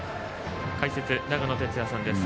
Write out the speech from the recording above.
解説、長野哲也さんです。